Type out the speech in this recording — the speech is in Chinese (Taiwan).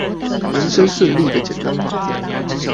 人生順利的簡單法則